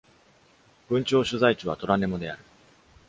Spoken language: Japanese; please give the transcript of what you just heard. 郡庁所在地はトラネモである。